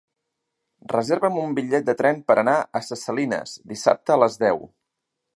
Reserva'm un bitllet de tren per anar a Ses Salines dissabte a les deu.